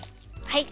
はい！